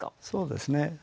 そうですね。